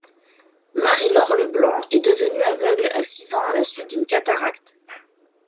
Marie-Laure Leblanc est devenue aveugle à six ans à la suite d'une cataracte.